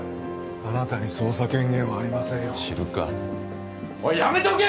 あなたに捜査権限はありませんよ知るかおいやめとけ！